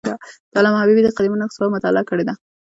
علامه حبیبي د قدیمو نسخو مطالعه کړې ده.